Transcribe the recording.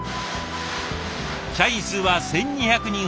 社員数は１，２００人ほど。